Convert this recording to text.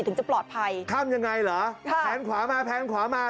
ถึงจะปลอดภัยข้ามยังไงเหรอค่ะแนนขวามาแพนขวามา